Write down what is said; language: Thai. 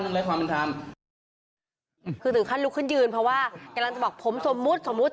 คือถึงขั้นลุกขึ้นยืนเพราะว่ากำลังจะบอกผมสมมุติสมมุติ